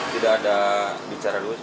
tidak ada bicara